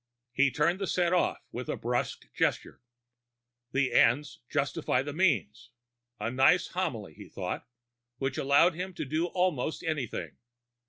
He turned the set off with a brusque gesture. The ends justify the means. A nice homily, he thought, which allowed him to do almost anything.